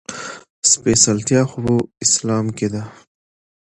سپېڅلتيا خو اسلام کې ده.